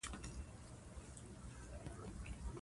استاد بینوا د تعلیم او تربیې ارزښت درک کړی و.